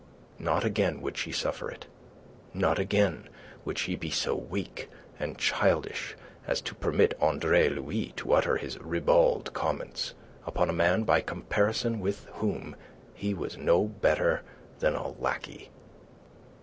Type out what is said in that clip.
Not again would she suffer it; not again would she be so weak and childish as to permit Andre Louis to utter his ribald comments upon a man by comparison with whom he was no better than a lackey.